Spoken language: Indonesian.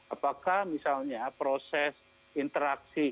apakah misalnya proses interaksi